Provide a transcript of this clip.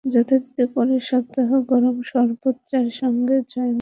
যথারীতি পরের সপ্তাহেও গরম শরবত চার সঙ্গে জয়নাল চাচা গল্প শুরু করেন।